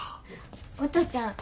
お父ちゃん